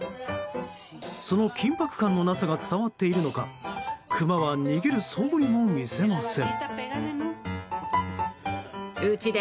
その緊迫感のなさが伝わっているのかクマは逃げるそぶりも見せません。